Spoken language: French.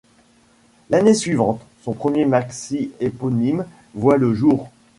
L’année suivante, son premier maxi éponyme voit le jour.